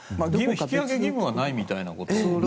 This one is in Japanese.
引き揚げ義務はないみたいなことを。